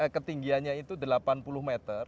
ketinggiannya itu delapan puluh meter